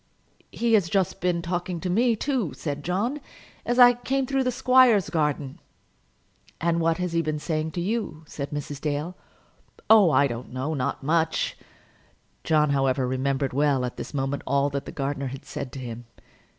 "He has just been talking to me, too," said John, "as I came through the squire's garden." "And what has he been saying to you?" said Mrs. Dale. "Oh, I don't know; not much." John, however, remembered well, at this moment, all that the gardener had said to him.